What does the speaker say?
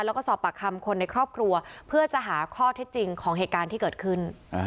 แล้วก็สอบปากคำคนในครอบครัวเพื่อจะหาข้อเท็จจริงของเหตุการณ์ที่เกิดขึ้น